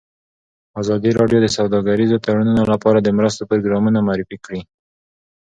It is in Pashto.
ازادي راډیو د سوداګریز تړونونه لپاره د مرستو پروګرامونه معرفي کړي.